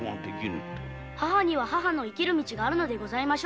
母には母の生きる道があるのでございましょう。